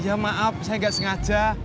ya maaf saya nggak sengaja